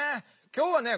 今日はね